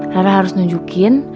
rara harus nunjukkin